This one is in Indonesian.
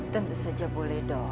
tentu saja boleh dong